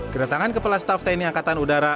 kedatangan kepala staff tni angkatan udara